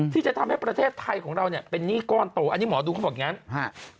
ที่จะทำให้ประเทศไทยของเราเนี่ยเป็นหนี้ก้อนโตอันนี้หมอดูเขาบอกอย่างนั้นฮะ